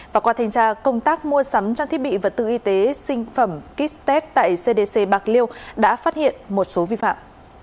và qua thanh tra công tác mua sắm trang thiết bị vật tư y tế sinh phẩm kit test tại cdc bạc liêu đã phát hiện một số vi phạm